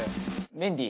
メンディー！